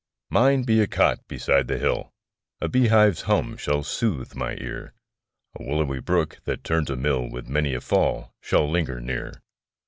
Mine be a cot beside the hill, A bee hive's hum shall sooth my ear; A willowy brook, that turns a mill, With many a fall shall linger near.